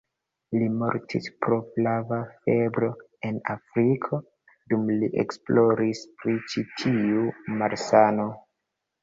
Li mortis pro flava febro en Afriko, dum li esploris pri ĉi-tiu malsano.